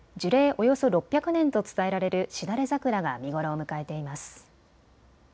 およそ６００年と伝えられるしだれ桜が見頃を迎えています。